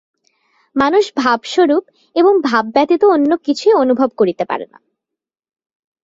মানুষ ভাবস্বরূপ এবং ভাব ব্যতীত অন্য কিছুই অনুভব করিতে পারে না।